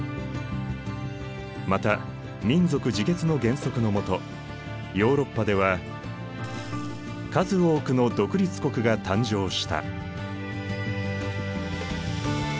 また民族自決の原則のもとヨーロッパでは数多くの独立国が誕生した。